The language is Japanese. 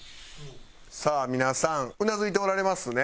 さあ皆さんうなずいておられますね。